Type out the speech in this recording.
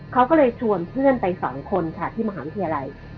เขาก็เลยชวนเพื่อนไปสองคนค่ะที่มหาวิทยาลัย